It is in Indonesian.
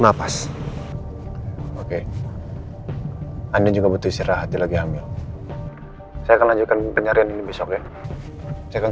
napas oke anda juga butuh istirahat lagi ambil saya akan lanjutkan pencarian ini besok ya saya akan